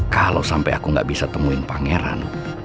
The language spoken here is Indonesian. kalau sampai aku gak bisa temuin pangeran